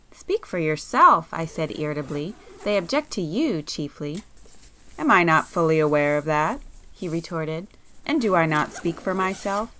"Speak for yourself!" I said irritably—"They object to you, chiefly." "Am I not fully aware of that?" he retorted—"and do I not speak for myself?